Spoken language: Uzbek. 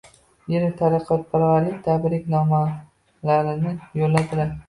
yirik taraqqiyparvarlar tabrik nomalarini yo'lladilar